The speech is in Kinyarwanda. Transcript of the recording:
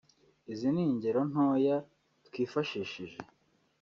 Izi ni ingero ntoya twifashishije